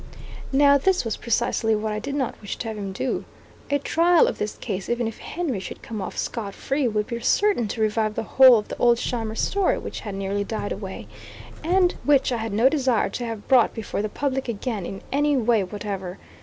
Now this was precisely what I did not wish to have him do. A trial of this case, even if Henry should come off scott free, would be certain to revive the whole of the old Scheimer story, which had nearly died away, and which I had no desire to have brought before the public again in any way whatever.